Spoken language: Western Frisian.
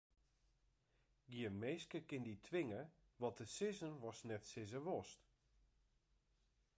Gjin minske kin dy twinge wat te sizzen watst net sizze wolst.